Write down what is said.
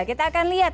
kita akan lihat